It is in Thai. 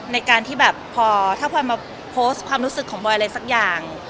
ในการที่แบบพอถ้าพลอยมาโพสต์ความรู้สึกของบอยอะไรสักอย่าง